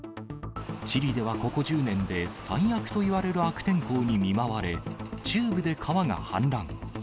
チリではここ１０年で最悪といわれる悪天候に見舞われ、中部で川が氾濫。